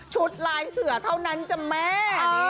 ลายเสือเท่านั้นจ้ะแม่